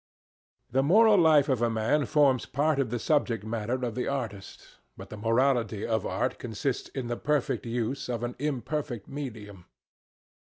The moral life of man forms part of the subject matter of the artist, but the morality of art consists in the perfect use of an imperfect medium.